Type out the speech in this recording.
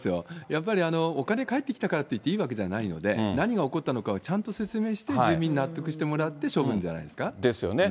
やっぱり、お金返ってきたからといって、いいわけじゃないので、何が起こったのかをちゃんと説明して、住民に納得してもらって、ですよね。